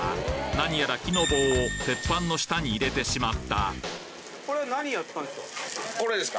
何やら木の棒を鉄板の下に入れてしまったこれですか？